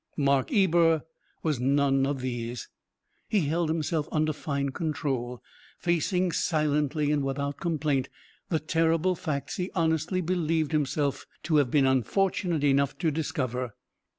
Mark Ebor was none of these. He held himself under fine control, facing silently and without complaint the terrible facts he honestly believed himself to have been unfortunate enough to discover.